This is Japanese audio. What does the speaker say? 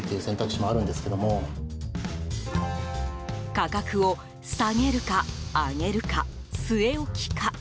価格を下げるか、上げるか据え置きか。